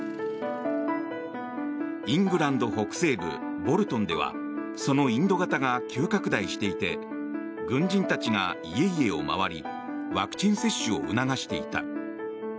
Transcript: イングランド北西部ボルトンではそのインド型が急拡大していて軍人たちが家々を回りワクチン接種を促していた。